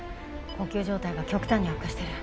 呼吸状態が極端に悪化してる。